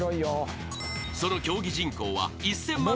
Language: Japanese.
［その競技人口は１，０００万